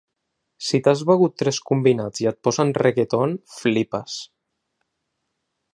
Si t’has begut tres combinats i et posen reggaeton, flipes!